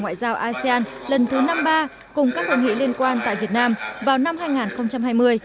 ngoại giao asean lần thứ năm mươi ba cùng các hội nghị liên quan tại việt nam vào năm hai nghìn hai mươi